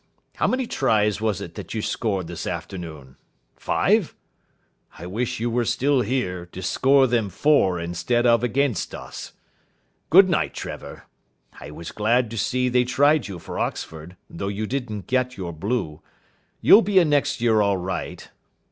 How many tries was it that you scored this afternoon? Five? I wish you were still here, to score them for instead of against us. Good night, Trevor. I was glad to see they tried you for Oxford, though you didn't get your blue. You'll be in next year all right.